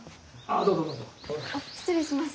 あっ失礼します。